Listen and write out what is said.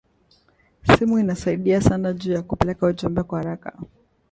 Simu inasaidia sana juya kupeleka ujumbe kwa araka